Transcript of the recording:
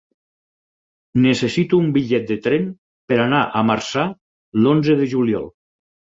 Necessito un bitllet de tren per anar a Marçà l'onze de juliol.